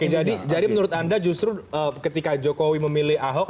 jadi menurut anda justru ketika jokowi memilih ahok